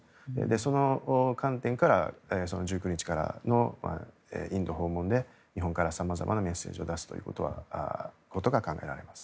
その観点から１９日からのインド訪問で日本から様々なメッセージを出すということが考えられます。